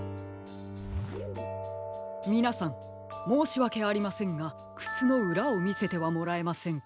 みなさんもうしわけありませんがくつのうらをみせてはもらえませんか？